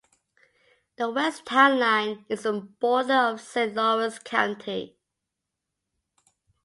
The west town line is the border of Saint Lawrence County.